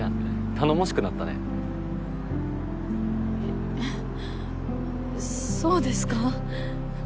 頼もしくなったねえっそうですか？